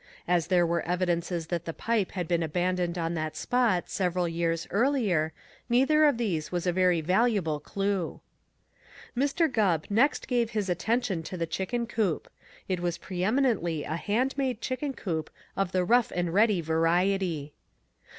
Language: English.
As there were evidences that the pipe had been abandoned on that spot several years earlier, neither of these was a very valuable clue. Mr. Gubb next gave his attention to the chicken coop. It was preëminently a hand made chicken coop of the rough and ready variety.